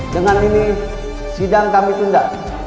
dengan ini sidang kami tunda